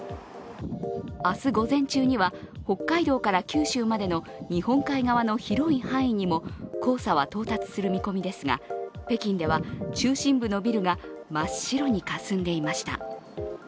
明日午前中には、北海道から九州までの日本海側の広い範囲にも黄砂は到達する見込みですが、北京では中心部のビルが真っ白にかすんでいました。